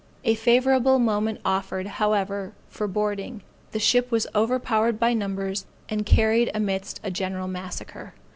A favorable moment offered, however, for boarding; the ship was overpowered by numbers, and carried amidst a general massacre.